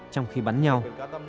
trong khi bắn nhau